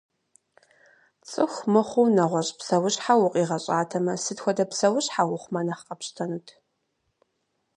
Цӏыху мыхъуу нэгъуэщӏ псэущхьэу укъигъэщӏатэмэ, сыт хуэдэ псэущхьэ ухъумэ нэхъ къэпщтэнут?